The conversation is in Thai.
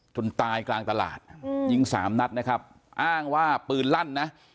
ตายกลางตลาดยิงสามนัดนะครับอ้างว่าปืนลั่นนะ